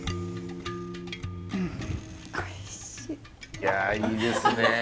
いやいいですね。